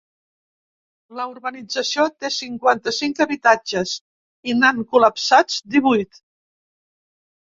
La urbanització té cinquanta-cinc habitatges i n’han col·lapsats divuit.